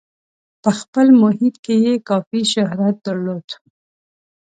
په خپل محیط کې یې کافي شهرت درلود.